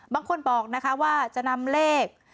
บางคนบอกนะคะว่าจะนำเลข